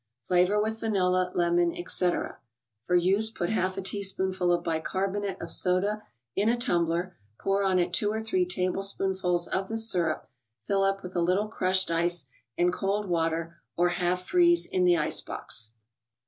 Flavor with vanilla, lemon, etc. For use, put half a teaspoonful of bicarbonate ICED BEVERAGES. 7 1 of soda in a tumbler, pour on it two or three tablespoon¬ fuls of the syrup, fill up with a little crushed ice and cold water, or half freeze in the ice box.